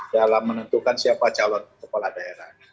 dalam menentukan siapa calon kepala daerah